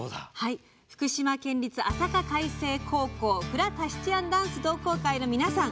福島県立あさか開成高校フラ・タヒチアンダンス同好会の皆さん。